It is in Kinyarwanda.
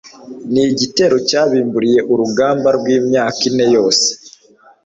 Ni igitero cyabimburiye urugamba rw'imyaka ine yose